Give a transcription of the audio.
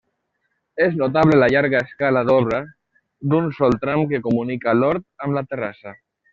És notable la llarga escala d'obra, d'un sol tram que comunica l'hort amb la terrassa.